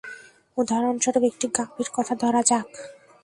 উদাহরণস্বরূপ একটি গাভীর কথা ধরা যাক।